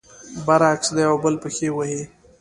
برعکس، د يو بل پښې وهي.